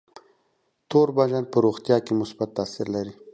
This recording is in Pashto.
تور بانجان په روغتیا کې مثبت تاثیر لري.